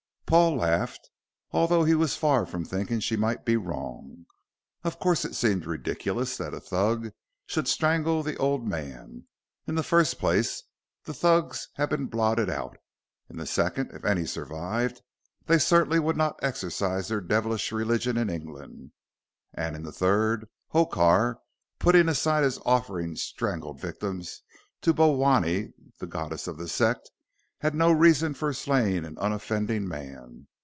Paul laughed although he was far from thinking she might be wrong. Of course it seemed ridiculous that a Thug should strangle the old man. In the first place, the Thugs have been blotted out; in the second, if any survived, they certainly would not exercise their devilish religion in England, and in the third, Hokar, putting aside his offering strangled victims to Bhowanee, the goddess of the sect, had no reason for slaying an unoffending man.